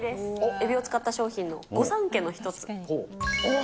エビを使った商品の御三家の一つ。